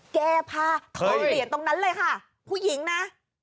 แกพาคือเหลี่ยตรงนั้นเลยค่ะผู้หญิงนะ